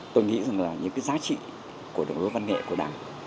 tôi nghĩ rằng là những cái giá trị của đường lối văn nghệ của đảng